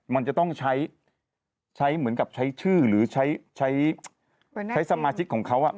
มันจะต้องใช้เหมือนกับใช้ชื่อหรือใช้สมาชิกของเขา